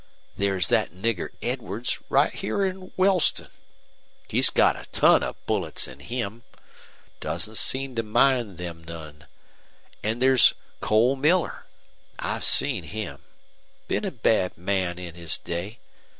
There's that nigger Edwards, right here in Wellston. He's got a ton of bullets in him. Doesn't seem to mind them none. And there's Cole Miller. I've seen him. Been a bad man in his day.